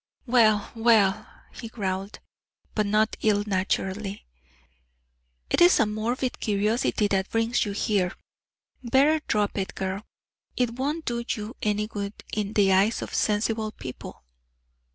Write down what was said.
"Well! well!" he growled, but not ill naturedly, "it's a morbid curiosity that brings you here. Better drop it, girl; it won't do you any good in the eyes of sensible people."